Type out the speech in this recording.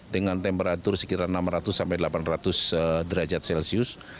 dengan temperatur sekitar enam ratus sampai delapan ratus derajat celcius